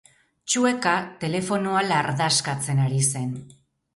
Txueka telefonoa lardaskatzen ari zen.